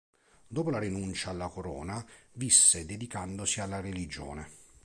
Dopo la rinuncia alla corona visse dedicandosi alla religione.